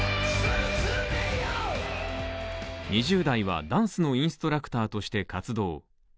２０代はダンスのインストラクターとして活動。